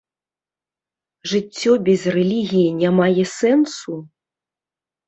Жыццё без рэлігіі не мае сэнсу?